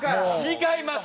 違います！